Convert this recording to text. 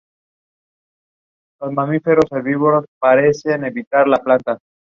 él hubiese vivido